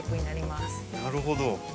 なるほど。